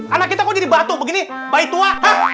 anak kita mau jadi batu begini baik tua